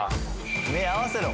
目合わせろ